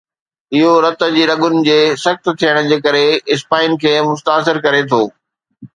اهو رت جي رڳن جي سخت ٿيڻ جي ڪري اسپائن کي متاثر ڪري ٿو